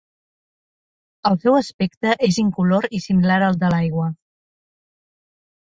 El seu aspecte és incolor i similar al de l'aigua.